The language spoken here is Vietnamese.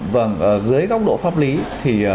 vâng dưới góc độ pháp lý thì